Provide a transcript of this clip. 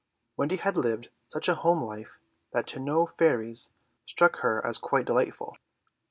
Wendy had lived such a home life that to know fairies struck her as quite delightful.